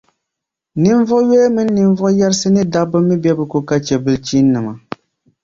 ninvuɣ’ yoya mini ninvuɣ’ yarisi ni daba mi be bɛ ko ka chɛ bilichinnima.